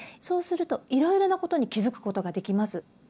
そうするといろいろなことに気付くことができます。